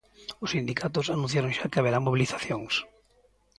Os sindicatos anunciaron xa que haberá mobilizacións.